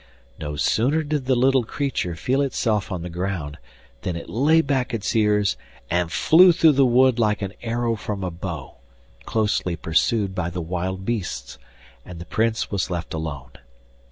No sooner did the little creature feel itself on the ground than it lay back its ears and flew through the wood like an arrow from a bow, closely pursued by the wild beasts, and the Prince was left alone.